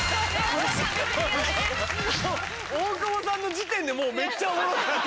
大久保さんの時点でもうめっちゃおもろかった。